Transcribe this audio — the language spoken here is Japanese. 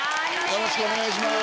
よろしくお願いします。